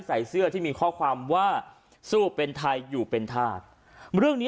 ใส่เสื้อที่มีข้อความว่าสู้เป็นไทยอยู่เป็นธาตุเรื่องนี้